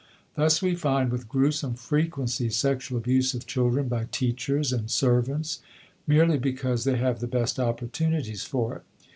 Thus we find with gruesome frequency sexual abuse of children by teachers and servants merely because they have the best opportunities for it.